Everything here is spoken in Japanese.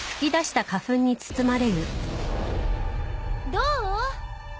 どう？